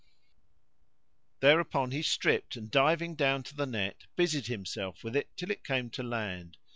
Thereupon he stripped and, diving down to the net, busied himself with it till it came to land.